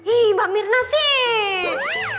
ih mbak mirna sih